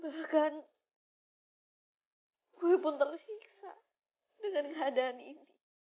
bahkan gue pun tersiksa dengan keadaan ini